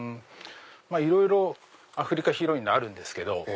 いろいろアフリカ広いんであるんですけど。